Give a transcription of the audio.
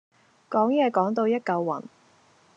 講野講到一嚿雲